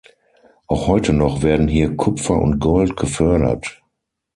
Auch heute noch werden hier Kupfer und Gold gefördert.